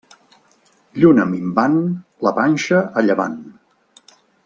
Lluna minvant, la panxa a llevant.